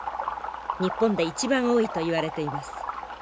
日本で一番多いといわれています。